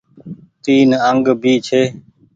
تين انگ ڀي ڇي۔